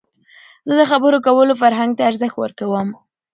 زه د خبرو کولو فرهنګ ته ارزښت ورکوم.